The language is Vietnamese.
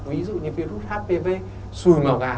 ví dụ như virus hpv xùi màu gà